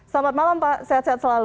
selamat malam pak sehat sehat selalu